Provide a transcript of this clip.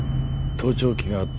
盗聴器があった